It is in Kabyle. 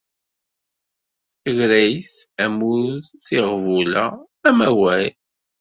Tagrayt, ammud, tiɣbula, amawal.